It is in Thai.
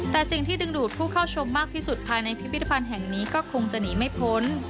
แต่สิ่งที่ดึงดูดผู้เข้าชมมากที่สุดภายในพิพิธภัณฑ์แห่งนี้ก็คงจะหนีไม่พ้น